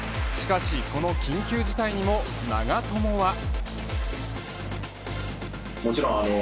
しかし、この緊急事態にも長友は。